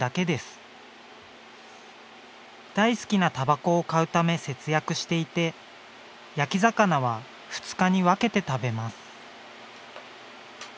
大好きなたばこを買うため節約していて焼き魚は２日に分けて食べます。